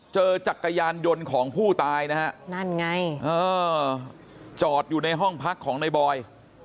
จักรยานยนต์ของผู้ตายนะฮะนั่นไงจอดอยู่ในห้องพักของในบอย